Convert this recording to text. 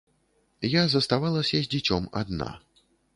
Я заставалася з дзіцём адна.